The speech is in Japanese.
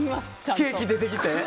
ケーキ出てきて？